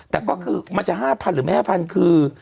แต่ก็คือมันจะ๕๐๐หรือ๕๐๐คือ